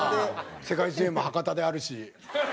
世界水泳も博多であるし。